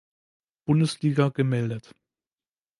Bundesliga gemeldet.